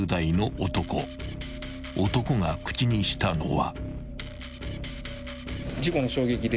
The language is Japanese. ［男が口にしたのは］